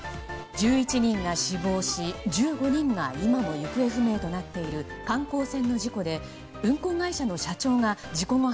１１人が死亡し、１５人が今も行方不明となっている観光船の事故で運航会社の社長が事故後